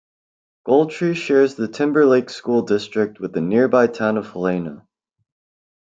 Goltry shares the Timberlake school district with the nearby town of Helena.